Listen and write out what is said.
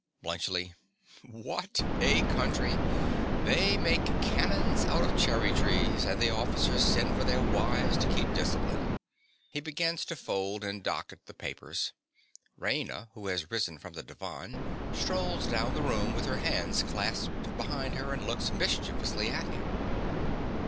_) BLUNTSCHLI. What a country! They make cannons out of cherry trees; and the officers send for their wives to keep discipline! (_He begins to fold and docket the papers. Raina, who has risen from the divan, strolls down the room with her hands clasped behind her, and looks mischievously at him.